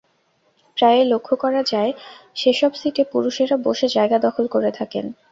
প্রায়ই লক্ষ করা যায়, সেসব সিটে পুরুষেরা বসে জায়গা দখল করে থাকেন।